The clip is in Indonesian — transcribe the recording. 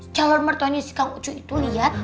jalur mertuanya si kang ucu itu liat